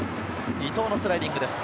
伊藤のスライディングです。